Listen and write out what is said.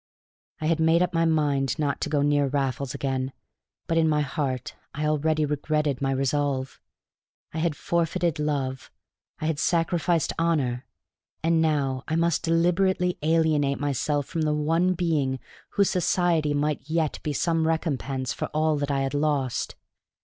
I had made up my mind not to go near Raffles again, but in my heart I already regretted my resolve. I had forfeited love, I had sacrificed honor, and now I must deliberately alienate myself from the one being whose society might yet be some recompense for all that I had lost.